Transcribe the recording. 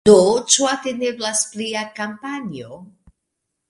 Do ĉu atendeblas plia kampanjo?